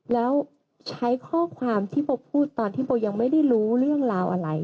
แล้วใช้ข้อความที่โบพูดตอนที่โบยังไม่ได้รู้เรื่องราวอะไร